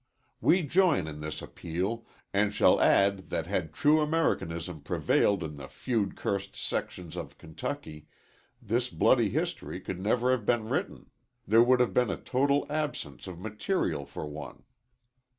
We join in this appeal, and shall add that had true Americanism prevailed in the feud cursed sections of Kentucky, this bloody history could never have been written there would have been a total absence of material for one.